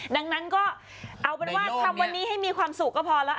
ดังนั้นก็เอาเป็นว่าทำวันนี้ให้มีความสุขก็พอแล้ว